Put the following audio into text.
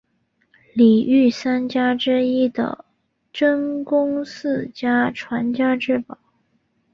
里御三家之一的真宫寺家传家之宝。